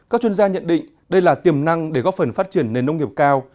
các chuyên gia nhận định đây là tiềm năng để góp phần phát triển nền nông nghiệp cao